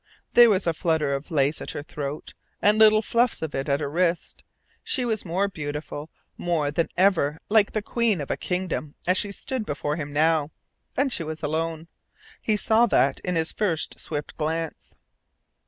There was a flutter of lace at her throat, and little fluffs of it at her wrists. She was more beautiful, more than ever like the queen of a kingdom as she stood before him now. And she was alone. He saw that in his first swift glance.